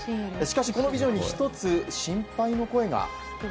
しかしこのビジョンに１つ心配の声が。